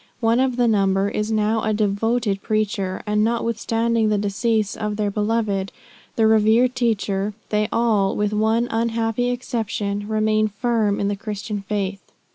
One of the number is now a devoted preacher; and notwithstanding the decease of their beloved and revered teacher, they all, with one unhappy exception, remain firm in the Christian faith.